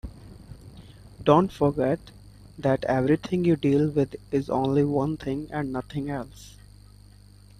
Don't forget that everything you deal with is only one thing and nothing else.